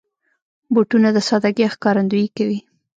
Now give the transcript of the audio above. بوټونه د سادګۍ ښکارندويي کوي.